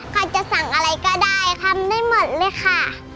ใครจะสั่งอะไรก็ได้ทำได้หมดเลยค่ะ